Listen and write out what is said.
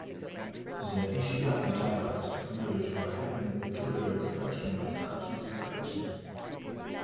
The Ishigaki dialect is noted for having a peculiar expression of cardinal directions.